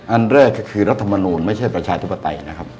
อันแรกก็คือรัฐมนูลไม่ใช่ประชาธิปไตยนะครับ